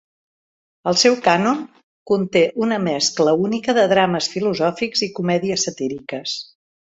El seu cànon conté una mescla única de drames filosòfics i comèdies satíriques.